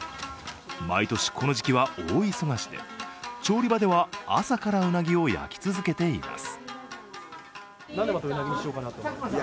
毎年、この時期は大忙しで調理場では朝からうなぎを焼き続けています。